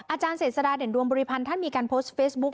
อาจารย์เจษฎาเด่นดวงบริพันธ์ท่านมีการโพสต์เฟซบุ๊ค